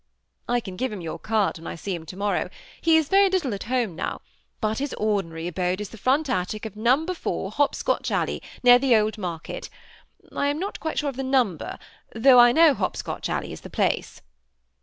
.. ''I can give him jour card when I see liim to morrow ; he is verj little at home now, but his ordi narj abode is the front attic of No. 4 Hop scotch Allej, near the old market. I am not quite sure of the number, though I know Hop scotch Allej is the place."